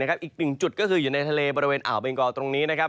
อีกหนึ่งจุดก็คืออยู่ในทะเลบริเวณอ่าวเบงกอตรงนี้นะครับ